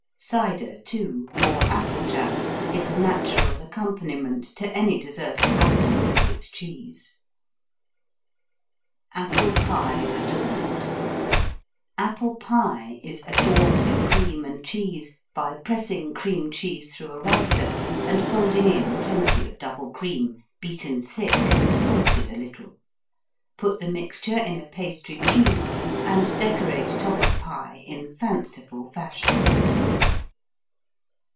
Cider, too, or applejack, is a natural accompaniment to any dessert of apple with its cheese. Apple Pie Adorned Apple pie is adorned with cream and cheese by pressing cream cheese through a ricer and folding in plenty of double cream beaten thick and salted a little. Put the mixture in a pastry tube and decorate top of pie in fanciful fashion.